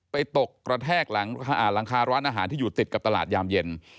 ตกกระแทกหลังคาร้านอาหารที่อยู่ติดกับตลาดยามเย็น